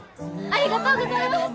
ありがとうございます！